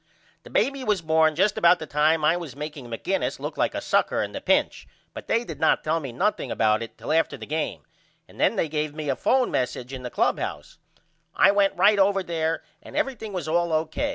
The baby was born just about the time I was makeing McInnis look like a sucker in the pinch but they did not tell me nothing about it till after the game and then they give me a phone messige in the clubhouse. I went right over there and everything was all O.